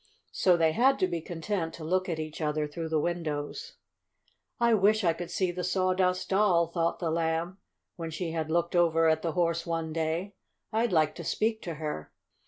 So they had to be content to look at each other through the windows. "I wish I could see the Sawdust Doll," thought the Lamb, when she had looked over at the Horse one day. "I'd like to speak to her."